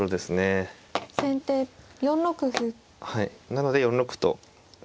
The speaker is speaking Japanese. なので４六歩と。